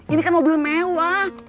ini kan mobil mewah